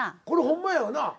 これほんまやよな？